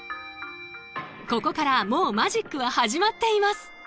ここからもうマジックは始まっています。